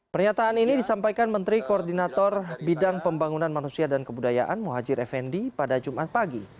pernyataan ini disampaikan menteri koordinator bidang pembangunan manusia dan kebudayaan muhajir effendi pada jumat pagi